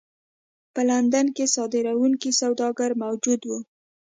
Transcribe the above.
په لندن کې صادروونکي سوداګر موجود وو.